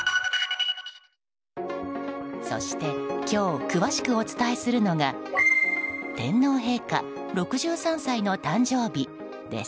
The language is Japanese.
そして、今日詳しくお伝えするのが天皇陛下６３歳の誕生日です。